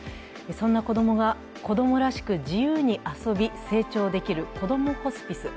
そんな子供が子供らしく自由に遊び成長できる、こどもホスピス。